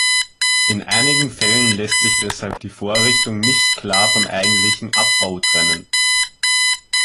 In einigen Fällen lässt sich deshalb die Vorrichtung nicht klar vom eigentlichen Abbau trennen.